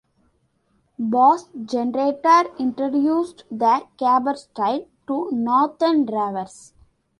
Bass Generator introduced the gabber style to northern ravers.